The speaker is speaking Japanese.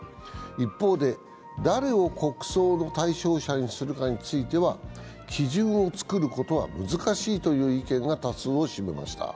一方で、誰を国葬の対象者にするかについては基準を作ることは難しいという意見が多数を占めました。